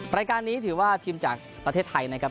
รายการนี้ถือว่าทีมจากประเทศไทยนะครับ